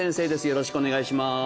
よろしくお願いします